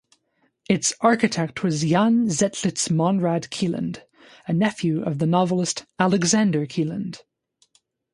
Its architect was Jens Zetlitz Monrad Kielland, a nephew of the novelist Alexander Kielland.